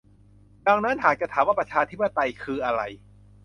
ดังนั้นหากจะถามว่าประชาธิปไตยคืออะไร